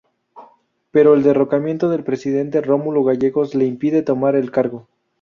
Pero el derrocamiento del presidente Rómulo Gallegos le impide tomar el cargo.